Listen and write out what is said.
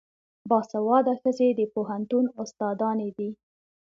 باسواده ښځې د پوهنتون استادانې دي.